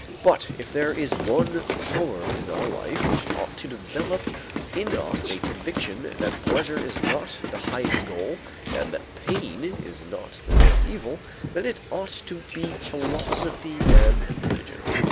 But if there is one power in our life which ought to develop in us a conviction that pleasure is not the highest goal and that pain is not the worst evil, then it ought to be philosophy and religion.